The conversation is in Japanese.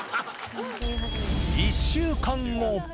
１週間後。